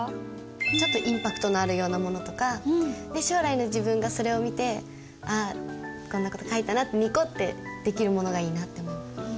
ちょっとインパクトのあるようなものとかで将来の自分がそれを見て「あこんな事書いたな」ってニコってできるものがいいなって思います。